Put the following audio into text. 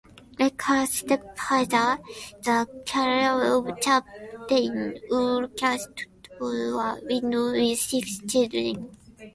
Like her stepfather, the character of Captain Woolcot was a widower with six children.